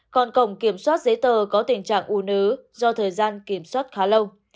còn cổng kiểm soát giấy tờ có tình trạng ủ nứ do thời gian kiểm soát khá lâu